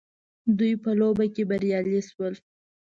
دوی په لوبه کي بريالي سول